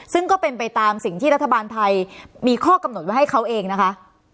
ซึ่งก็เป็นไปตามสิ่งที่รัฐบาลไทยมีข้อกำหนดไว้ให้เขาเองนะคะ